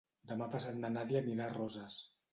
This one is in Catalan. Demà passat na Nàdia anirà a Roses.